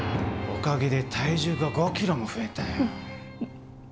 おかげで体重が５キロも増えたよ。